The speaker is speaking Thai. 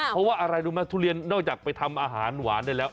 เพราะว่าอะไรรู้ไหมทุเรียนนอกจากไปทำอาหารหวานได้แล้ว